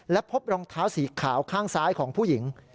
และพบรองเท้าสีขาวข้างซ้ายของผู้หญิง